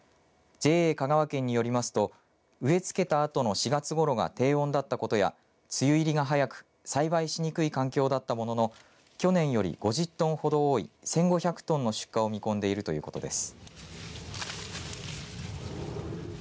ＪＡ香川県によりますと植え付けたあとの４月ごろが低温だったことや梅雨入りが早く栽培しにくい環境だったものの去年より５０トンほど多い１５００トンほどの出荷を見込んでいるということです。